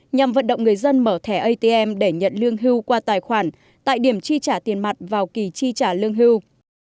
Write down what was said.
nhằm vận động người dân mở thẻ atm để nhận lương hưu qua tài khoản tại điểm chi trả tiền mặt vào kỳ chi trả lương hưu